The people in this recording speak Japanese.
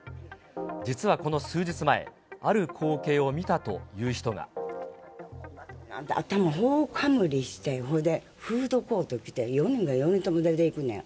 実はこの数日前、頭、ほおかむりして、ほいでフードコート着て、４人が４人とも出ていくねん。